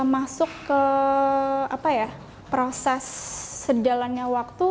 masuk ke proses sejalannya waktu